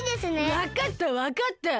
わかったわかった。